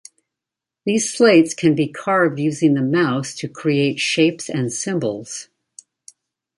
These slates can be carved using the mouse to create shapes and symbols.